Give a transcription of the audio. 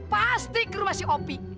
pasti ke rumah si op